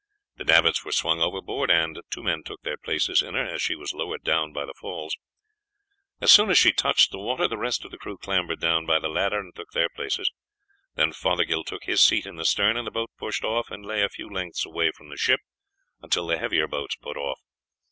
The davits were swung overboard, and two men took their places in her as she was lowered down by the falls. As soon as she touched the water the rest of the crew clambered down by the ladder and took their places; then Fothergill took his seat in the stern, and the boat pushed off and lay a few lengths away from the ship until the heavier boats put off.